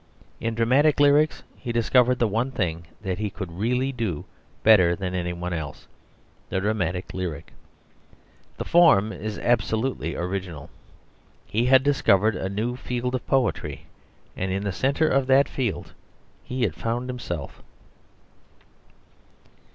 In Dramatic Lyrics he discovered the one thing that he could really do better than any one else the dramatic lyric. The form is absolutely original: he had discovered a new field of poetry, and in the centre of that field he had found himself.